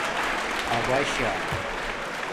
اَباشݳ